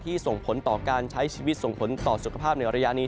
ส่งผลต่อการใช้ชีวิตส่งผลต่อสุขภาพในระยะนี้